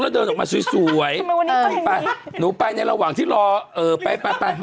แล้วเดินออกมาสวยเดินไปหนูไปในระหว่างที่รอเออไปไป